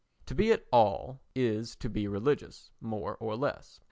To be at all is to be religious more or less.